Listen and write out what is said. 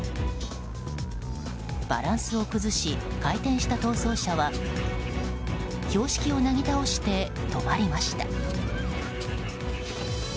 バランスを崩し回転した逃走車は標識をなぎ倒して、止まりました。